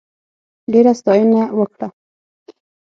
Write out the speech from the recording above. ډېره ستاینه وکړه.